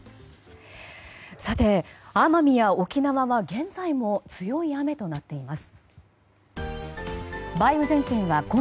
さて、奄美や沖縄は現在も強い雨となっています。